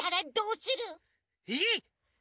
えっ？